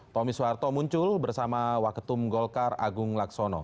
tommy soeharto muncul bersama waketum golkar agung laksono